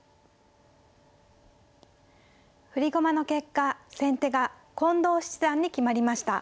振り駒の結果先手が近藤七段に決まりました。